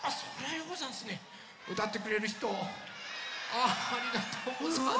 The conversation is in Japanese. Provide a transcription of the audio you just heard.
あありがとうござんす。